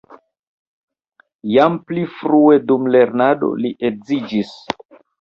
Jam pli frue dum lernado li edziĝis.